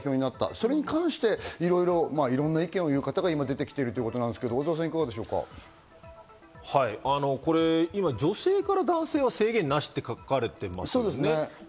それに関していろんな意見を言う方が出てきているということなんですが、女性から男性は制限なしと書かれてますね。